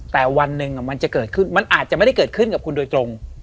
แต่วันหนึ่งมันจะเกิดขึ้นมันอาจจะไม่ได้เกิดขึ้นกับคุณโดยตรง